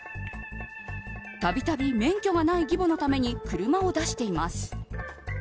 度々免許のない義母のために車を出しています。